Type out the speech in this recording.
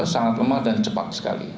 sangat lemah dan cepat sekali